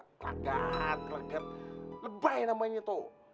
kelaget keleget lebay namanya tuh